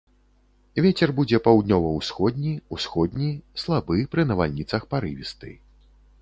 Вецер будзе паўднёва-ўсходні, усходні, слабы, пры навальніцах парывісты.